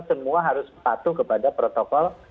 semua harus patuh kepada protokol